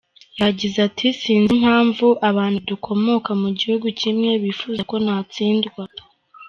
Yagize ati “Sinzi impamvu abantu dukomoka mu gihugu kimwe bifuza ko natsindwa.